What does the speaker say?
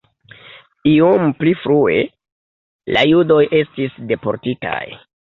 Iom pli frue la judoj estis deportitaj.